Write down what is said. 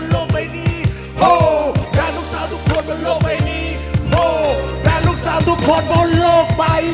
ได้ลูกสาวทุกคนบนโลกไปดี